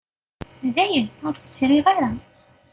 Dayen, ur t-sriɣ ara.